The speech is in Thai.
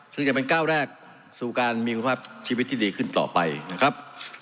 ซึ่งจะเป็นก้าวแรกสู่การมีคุณภาพชีวิตที่ดีขึ้นต่อไปนะครับ